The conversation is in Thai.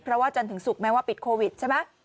เพราะว่าจันทร์ถึงศุกร์แม้ว่าปิดโควิดใช่ไหม